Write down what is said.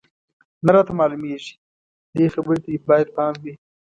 نه راته معلومېږي، دې خبرې ته دې باید پام وي.